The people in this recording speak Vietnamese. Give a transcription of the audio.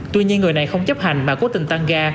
tuy nhiên người này không chấp hành mà cố tình tăng ga